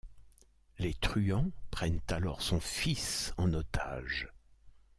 Les truands prennent alors son fils en otage.